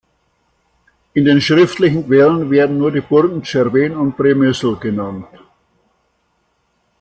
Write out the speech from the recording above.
In den schriftlichen Quellen werden nur die Burgen Tscherwen und Przemyśl genannt.